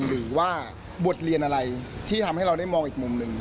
หรือว่าบทเรียนอะไรที่ทำให้เราได้มองอีกมุมหนึ่ง